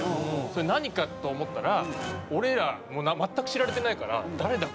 それ何かと思ったら俺ら全く知られてないから「誰だ？